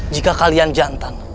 jika kalian jantan